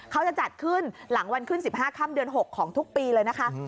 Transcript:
เขาจะจัดขึ้นหลังวันขึ้น๑๕ค่ำเดือน๖ของทุกปีเลยนะคะ